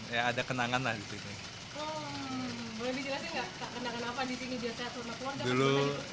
boleh dijelaskan gak kenangan apa di sini biar sehat sama keluarga